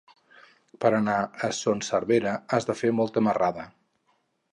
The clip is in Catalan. Per anar a Son Servera has de fer molta marrada.